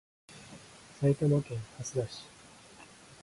埼玉県蓮田市